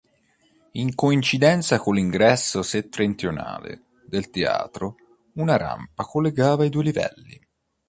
In coincidenza con l’ingresso settentrionale del teatro una rampa collegava i due livelli.